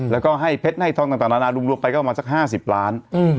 แล้วก็ให้เพชรให้ทองต่างนานารวมไปก็ประมาณสัก๕๐ล้าน